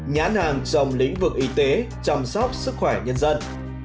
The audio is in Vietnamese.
nhãn hàng trong lĩnh vực y tế chăm sóc sức khỏe nhân dân